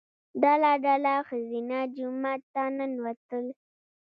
ډله ډله ښځینه جومات ته ننوتل.